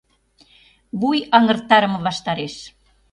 ВУЙ АҤЫРТАРЫМЕ ВАШТАРЕШ